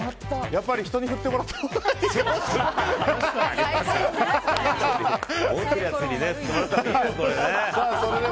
やっぱり人に振ってもらったほうが。